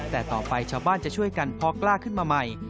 แต่ต่อไปชาวบ้านจะช่วยกันพอกล้าขึ้นมาใหม่